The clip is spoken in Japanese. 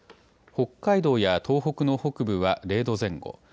北海道や東北の北部は０度前後。